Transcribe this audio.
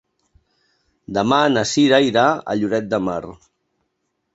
Demà na Cira irà a Lloret de Mar.